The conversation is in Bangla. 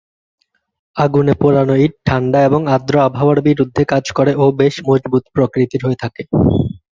আগুনে পোড়ানো ইট ঠাণ্ডা এবং আর্দ্র আবহাওয়ার বিরুদ্ধে কাজ করে ও বেশ মজবুত প্রকৃতির হয়ে থাকে।